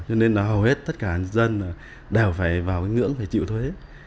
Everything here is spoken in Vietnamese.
cho nên là hầu hết tất cả dân đều phải vào cái ngưỡng phải chịu thuế